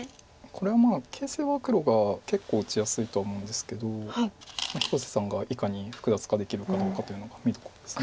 これは形勢は黒が結構打ちやすいとは思うんですけど広瀬さんがいかに複雑化できるかどうかというのが見どころです。